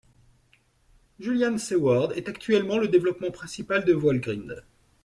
Julian Seward est actuellement le développeur principal de Valgrind.